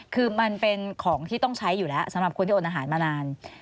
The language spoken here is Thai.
คือมันเป็นของที่ต้องใช้อยู่แล้วสำหรับคนที่โอนอาหารมานาน